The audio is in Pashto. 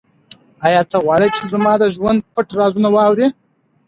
آیا ته غواړې چې زما د ژوند پټ رازونه واورې؟